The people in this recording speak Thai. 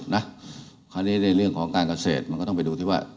ในเรื่องของการเกษตรมันก็ต้องไปดูว่า